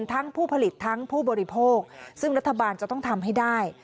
ทั้งผู้ผลิตทั้งผู้บริโภคซึ่งรัฐบาลจะต้องทำให้ได้